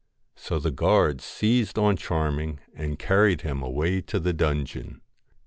So the guards seized on Charming and carried him away to the dungeon.